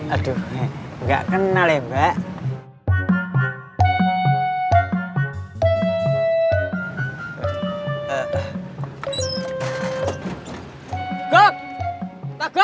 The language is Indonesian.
aduh nggak kenal ya mbak